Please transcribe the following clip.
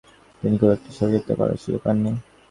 তিনি খুব একটা শরীর চর্চা করার সুযোগ পাননি।